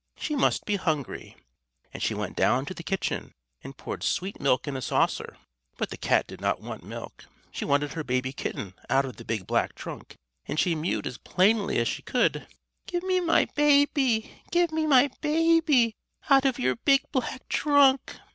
she must be hungry"; and she went down to the kitchen and poured sweet milk in a saucer, but the cat did not want milk. She wanted her baby kitten out of the big black trunk, and she mewed as plainly as she could: "Give me my baby give me my baby, out of your big black trunk!"